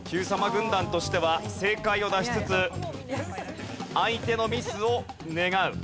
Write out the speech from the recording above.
軍団としては正解を出しつつ相手のミスを願う。